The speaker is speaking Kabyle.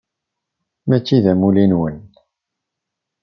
Mačči d amulli-nwen.